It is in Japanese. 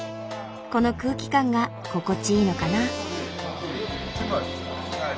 この空気感が心地いいのかな。